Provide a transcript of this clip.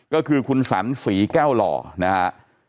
ก็คือคุณสันศรีแก้วหล่อนะฮะ